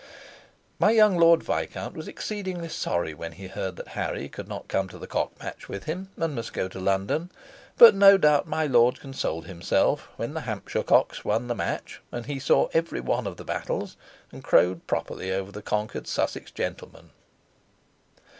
My young Lord Viscount was exceeding sorry when he heard that Harry could not come to the cock match with him, and must go to London, but no doubt my lord consoled himself when the Hampshire cocks won the match; and he saw every one of the battles, and crowed properly over the conquered Sussex gentlemen.